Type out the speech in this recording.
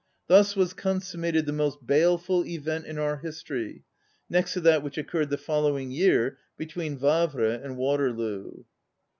Thus was consummated the most baleful event in our history, next to that which occurred the fol lowing year between Wavre and Waterloo."